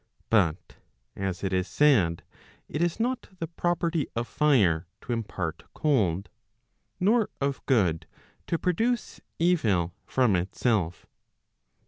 But as it is said, it is not the property of fire to impart cold, nor of good to produce evil from itself.